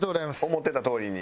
思ってたとおりに。